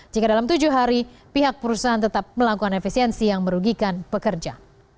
jika dalam tujuh hari pihak perusahaan tetap melakukan efisiensi yang merugikan pekerja